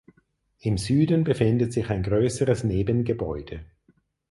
Im Süden befindet sich ein größeres Nebengebäude.